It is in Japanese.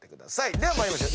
では参りましょう。